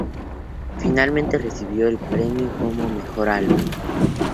Finalmente recibió el premio como Mejor Álbum.